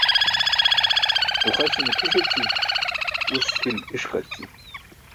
Uxaśi̇ne pʰi̇ṣ eći, uski̇l i̇ṣqarći.